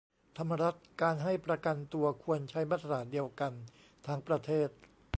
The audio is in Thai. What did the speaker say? ธรรมรัตน์ : การให้ประกันตัวควรใช้มาตรฐานเดียวกันทั้งประเทศ